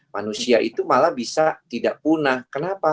manusia itu malah bisa tidak punah kenapa